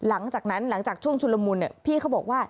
หลังจากนั้นหลังจากช่วงชุดละมุนพี่เขาบอกว่า